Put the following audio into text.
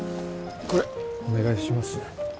これお願いしますね。